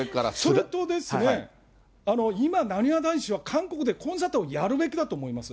それとですね、今、なにわ男子は韓国でコンサートをやるべきだと思います。